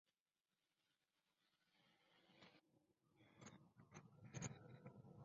Se encuentra próximo a las ciudades de Lübeck, Wismar y Schwerin.